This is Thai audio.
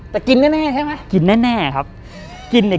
แต่กินแน่ใช่ไหม